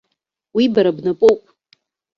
Уи бара бнапоуп.